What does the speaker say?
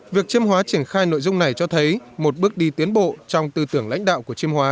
việc chiêm hóa triển khai nội dung này cho thấy một bước đi tiến bộ trong tư tưởng lãnh đạo của chiêm hóa